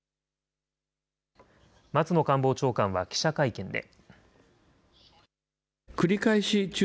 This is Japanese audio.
松野官房長官は記者会見で。